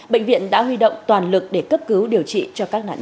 bệnh viện đã huy động toàn lực để cấp cứu điều trị cho các nạn nhân